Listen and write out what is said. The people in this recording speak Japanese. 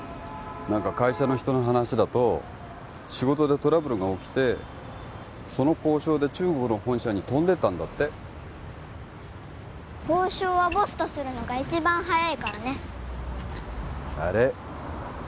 何か会社の人の話だと仕事でトラブルが起きてその交渉で中国の本社に飛んでったんだって交渉はボスとするのが一番早いからねあれ？